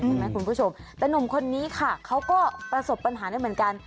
คุณผู้ชมแต่หนุ่มคนนี้ค่ะเขาก็ประสบปัญหาได้เหมือนกัน